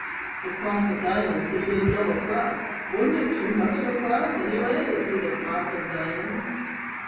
"The Cross of Diamonds" had been double crossed. Wasn't it too much of a cross, anyway, to see "The Cross of Diamonds"?